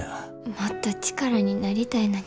もっと力になりたいのに。